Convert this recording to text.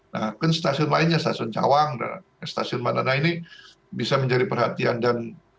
nah kan stasiun lainnya stasiun cawang dan stasiun madana ini bisa menjadi perhatian dan